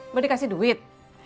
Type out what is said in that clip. beri kasih duit